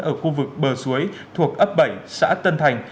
ở khu vực bờ suối thuộc ấp bảy xã tân thành